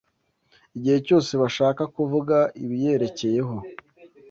igihe cyose bashaka kuvuga ibiyerekeyeho